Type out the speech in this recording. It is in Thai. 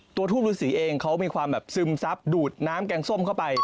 ทูปฤษีเองเขามีความแบบซึมซับดูดน้ำแกงส้มเข้าไป